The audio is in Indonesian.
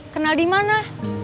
kenal di mana